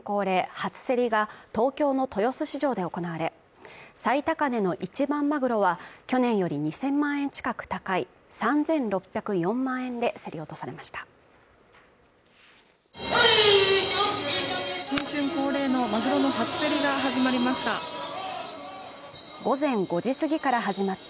初競りが東京の豊洲市場で行われ最高値の一番マグロは去年より２０００万円近く高い３６０４万円で競り落とされました新春恒例のマグロの初競りが始まりました